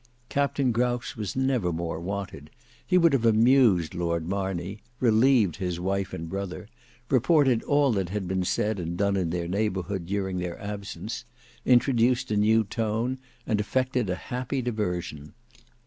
Captain Grouse was never more wanted; he would have amused Lord Marney, relieved his wife and brother, reported all that had been said and done in their neighbourhood during their absence, introduced a new tone, and effected a happy diversion.